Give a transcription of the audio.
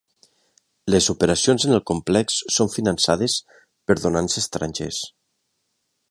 Les operacions en el complex són finançades per donants estrangers.